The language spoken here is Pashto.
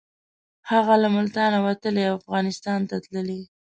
هغه له ملتانه وتلی او افغانستان ته تللی.